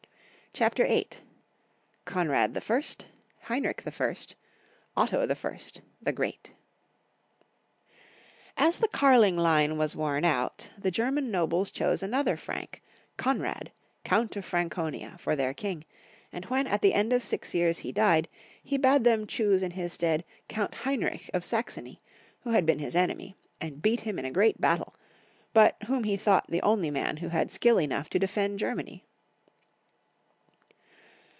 CHAPTER VIII. KONRAB I., 912 917. HEINRICH I., .' 917 936. OTTO I., THE GREAT, 936 97.3. AS the Karling line was worn out, the German nobles chose another Frank, Konrad,* Count of Franeonia, for their king, and when at the end of six years he died, he bade them choose in his stead Count Heinrich f of Saxony, who had been his enemy, and beat him in a great battle, but whom he thought the only man who had skill enough to defend Germany.